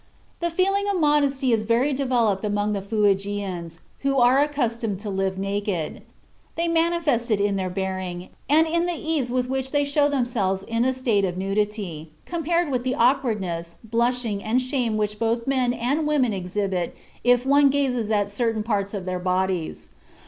"The feeling of modesty is very developed among the Fuegians, who are accustomed to live naked. They manifest it in their bearing and in the ease with which they show themselves in a state of nudity, compared with the awkwardness, blushing, and shame which both men and women exhibit if one gazes at certain parts of their bodies.